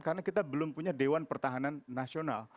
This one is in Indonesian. karena kita belum punya dewan pertahanan nasional